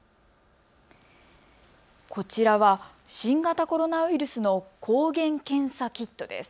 こちらは新型コロナウイルスの抗原検査キットです。